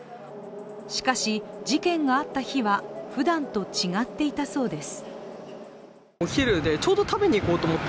しかし、事件があった日はふだんと違っていたそうです。